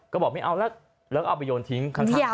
ก็บอกไม่เอาแล้วก็เอาไปโยนทิ้ง